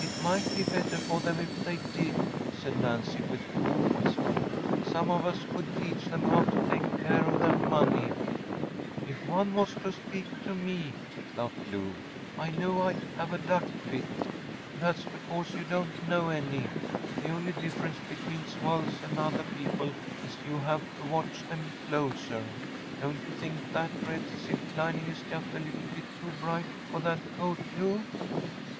‚ÄĚ “It might be better for them if they did,‚ÄĚ said Nancy, with cool wisdom. “Some of us could teach them how to take care of their money.‚ÄĚ “If one was to speak to me,‚ÄĚ laughed Lou, “I know I’d have a duck fit.‚ÄĚ “That’s because you don’t know any. The only difference between swells and other people is you have to watch ’em closer. Don’t you think that red silk lining is just a little bit too bright for that coat, Lou?